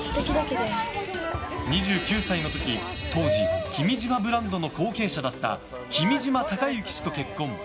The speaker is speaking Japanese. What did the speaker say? ２９歳の時、当時君島ブランドの後継者だった君島誉幸氏と結婚。